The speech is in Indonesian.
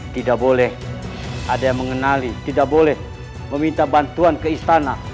tidak boleh ada yang mengenali tidak boleh meminta bantuan ke istana